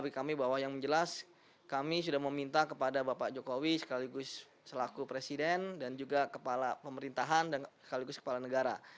bagi kami bahwa yang jelas kami sudah meminta kepada bapak jokowi sekaligus selaku presiden dan juga kepala pemerintahan dan sekaligus kepala negara